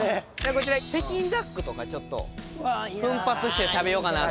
こちら北京ダックとかちょっと奮発して食べようかなと思ってはい。